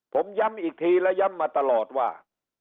ผมย้ำอีกทีและย้ำมาตลอดว่า